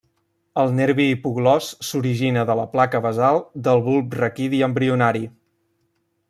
El nervi hipoglòs s'origina de la placa basal del bulb raquidi embrionari.